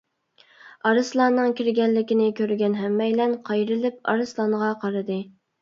ئارسلاننىڭ كىرگەنلىكىنى كۆرگەن ھەممەيلەن قايرىلىپ ئارسلانغا قارىدى.